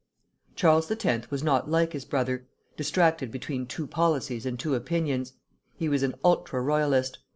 Charles X. was not like his brother, distracted between two policies and two opinions. He was an ultra royalist.